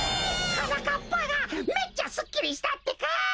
はなかっぱがめっちゃすっきりしたってか！